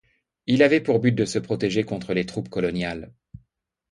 Il avait pour but de se protéger contre les troupes coloniales.